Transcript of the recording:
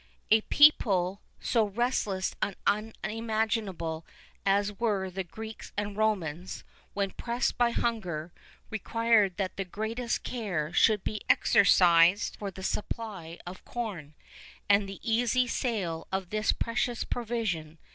[II 24] A people so restless and unmanageable as were the Greeks and Romans, when pressed by hunger, required that the greatest care should be exercised for the supply of corn, and the easy sale of this precious provision.